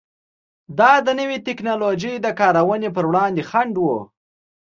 دا د نوې ټکنالوژۍ د کارونې پر وړاندې خنډ و.